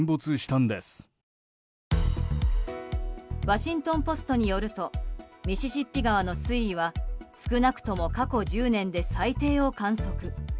ワシントン・ポストによるとミシシッピ川の水位は少なくとも過去１０年で最低を観測。